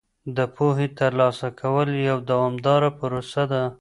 د پوهې ترلاسه کول یوه دوامداره پروسه ده.